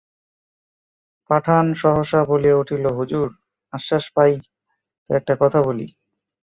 পাঠান সহসা বলিয়া উঠিল, হুজুর, আশ্বাস পাই তো একটা কথা বলি।